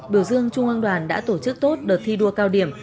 biểu dương trung ương đoàn đã tổ chức tốt đợt thi đua cao điểm